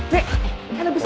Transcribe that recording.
nek ada besi